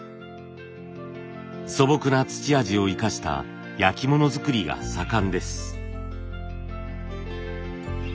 素朴な土味を生かした焼き物作りが盛んです。